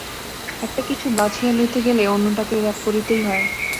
একটা-কিছু বাছিয়া লইতে গেলেই অন্যটাকে ত্যাগ করিতেই হয়।